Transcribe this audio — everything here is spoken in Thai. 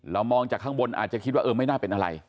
มองจากข้างบนอาจจะคิดว่าเออไม่น่าเป็นอะไร